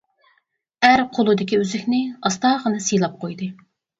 ئەر قولىدىكى ئۈزۈكنى ئاستاغىنە سىيلاپ قويدى.